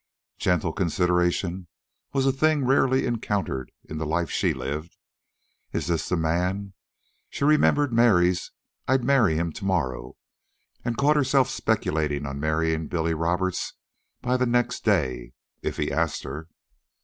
Gentle consideration was a thing rarely encountered in the life she lived. IS THIS THE MAN? She remembered Mary's "I'd marry him to morrow," and caught herself speculating on marrying Billy Roberts by the next day if he asked her.